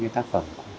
những tác phẩm